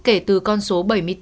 kể từ con số bảy mươi bốn